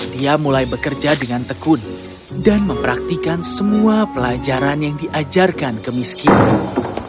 dia mulai bekerja dengan tekun dan mempraktikan semua pelajaran yang diajarkan kemiskinan